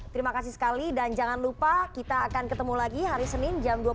terima kasih sekali dan jangan lupa kita akan ketemu lagi hari senin jam dua puluh